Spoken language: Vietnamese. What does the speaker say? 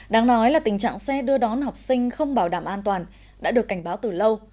đáng nói là tình trạng xe đưa đón học sinh không bảo đảm an toàn đã được cảnh báo từ lâu